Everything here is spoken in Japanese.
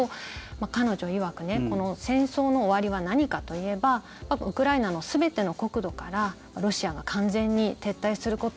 彼女いわくこの戦争の終わりは何かといえばウクライナの全ての国土からロシアが完全に撤退すること。